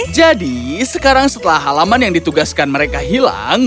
jadi sekarang setelah halaman yang ditugaskan mereka hilang